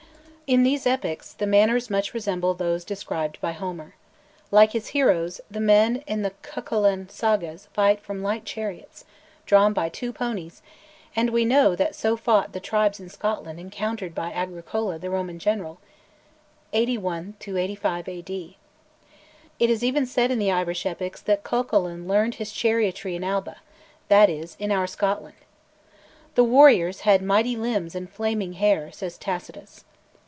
In these "epics" the manners much resemble those described by Homer. Like his heroes, the men in the Cuchullain sagas fight from light chariots, drawn by two ponies, and we know that so fought the tribes in Scotland encountered by Agricola the Roman General (81 85 A.D.) It is even said in the Irish epics that Cuchullain learned his chariotry in Alba that is, in our Scotland. The warriors had "mighty limbs and flaming hair," says Tacitus.